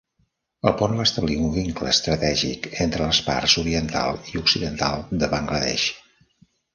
El pont va establir un vincle estratègic entre les parts oriental i occidental de Bangla Desh.